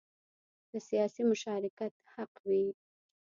د سیاسي مشارکت حق وي.